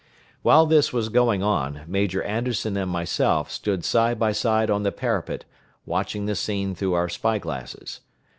While this was going on, Major Anderson and myself stood side by side on the parapet, watching the scene through our spy glasses.